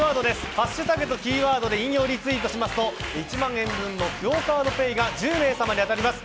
ハッシュタグとキーワードで引用リツイートしますと１万円分のＱＵＯカードＰａｙが１０名様に当たります。